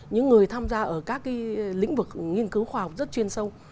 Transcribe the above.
những người tham gia ở các lĩnh vực nghiên cứu khoa học rất chuyên sâu